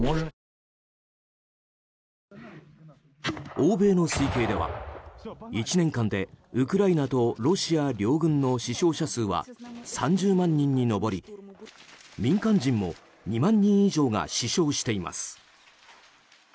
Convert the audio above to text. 欧米の推計では、１年間でウクライナとロシア両軍の死傷者数は３０万人に上り民間人も２万人以上が死傷しています。